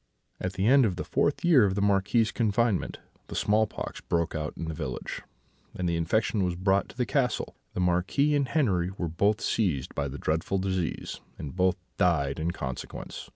"At the end of the fourth year of the Marquis's confinement the small pox broke out in the village, and the infection was brought to the castle. The Marquis and Henri were both seized by the dreadful disease, and both died in consequence.